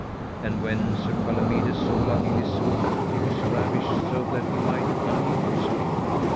And when Sir Palomides saw La Beale Isoud he was ravished so that he might unnethe speak.